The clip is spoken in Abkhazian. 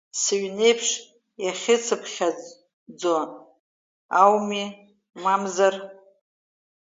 Сыҩнеиԥш иахьысыԥхьаӡо ауми, мамзар…